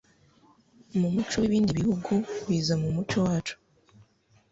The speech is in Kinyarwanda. mu muco w'ibindi bihugu biza mu muco wacu